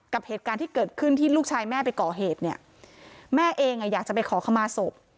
กับเหตุการณ์ที่เกิดขึ้นที่ลูกชายแม่ไปก่อเหตุเนี่ยแม่เองอ่ะอยากจะไปขอขมาศพ